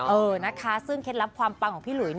เออนะคะซึ่งเคล็ดลับความปังของพี่หลุย